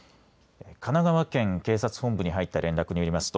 神奈川県警察本部に入った連絡によります